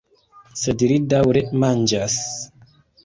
Sed ri daŭre manĝas.